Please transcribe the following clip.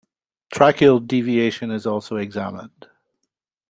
Tracheal deviation is also examined.